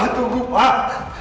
pak tunggu pak